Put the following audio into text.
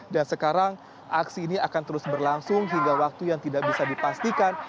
dan sekarang aksi ini akan terus berlangsung hingga waktu yang tidak bisa dipastikan